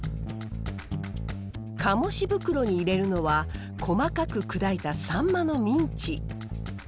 カモシ袋に入れるのは細かく砕いたサンマのミンチ。